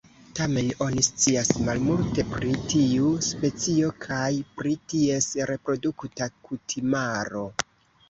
Tamen oni scias malmulte pri tiu specio kaj pri ties reprodukta kutimaro.